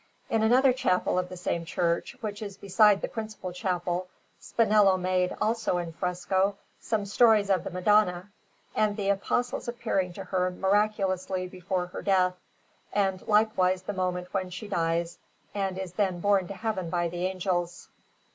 In another chapel of the same church, which is beside the principal chapel, Spinello made, also in fresco, some stories of the Madonna, and the Apostles appearing to her miraculously before her death, and likewise the moment when she dies and is then borne to Heaven by the Angels.